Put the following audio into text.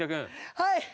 はい。